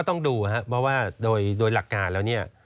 ต้องดูครับเพราะว่าโดยหลักการแล้วเนี่ย